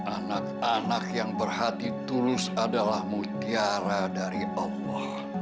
anak anak yang berhati tulus adalah mutiara